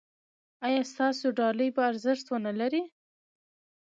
ایا ستاسو ډالۍ به ارزښت و نه لري؟